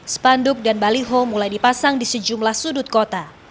spanduk dan baliho mulai dipasang di sejumlah sudut kota